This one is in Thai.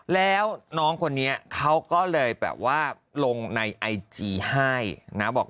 เล่นตั้งแต่เด็ก